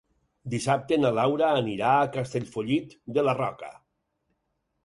Dissabte na Laura anirà a Castellfollit de la Roca.